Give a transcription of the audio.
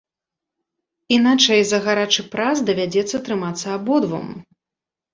Іначай за гарачы прас давядзецца трымацца абодвум.